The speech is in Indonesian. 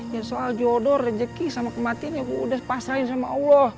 ya soal jodoh rezeki sama kematian ya gue udah pasrahin sama allah